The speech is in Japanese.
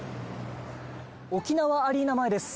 沖縄アリーナ前です。